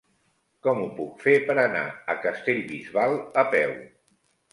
Com ho puc fer per anar a Castellbisbal a peu?